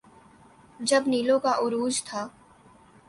جب نیلو کا عروج تھا۔